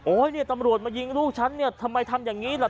โอ้ยนี่ตำรวจมายิงลูกฉันทำไมทำอย่างนี้ล่ะ